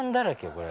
これ。